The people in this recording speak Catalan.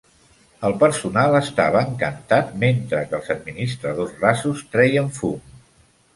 El personal estava encantat, mentre que els administradors rasos treien fum.